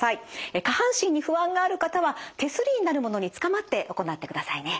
下半身に不安がある方は手すりになるものにつかまって行ってくださいね。